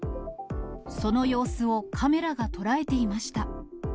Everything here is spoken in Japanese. その様子をカメラが捉えていました。